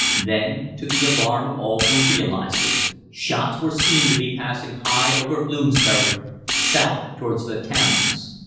Then, to the alarm of all who realised it, shots were seen to be passing high over Bloomsbury, south towards the Thames.